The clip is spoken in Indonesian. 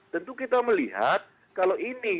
tentu kita melihat kalau ini